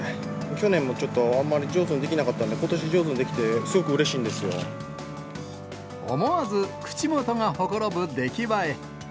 去年もちょっと、あんまり上手にできなかったんで、ことし、上手にできて、すごくうれしいん思わず口元がほころぶ出来栄え。